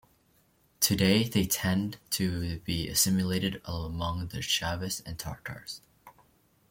Today, they tend to be assimilated among the Chuvash and Tatars.